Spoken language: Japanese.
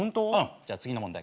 じゃあ次の問題